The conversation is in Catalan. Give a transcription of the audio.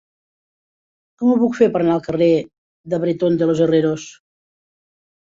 Com ho puc fer per anar al carrer de Bretón de los Herreros?